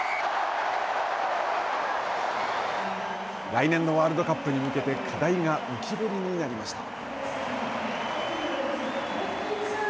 来年のワールドカップに向けて課題が浮き彫りになりました。